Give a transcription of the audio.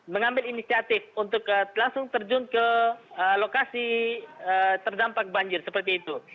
mengambil inisiatif untuk langsung terjun ke lokasi terdampak banjir seperti itu